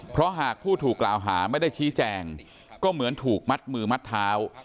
เพราะหากผู้ถูกกล่าวหาไม่ได้ชี้แจงก็เหมือนถูกมัดมือมัดเท้า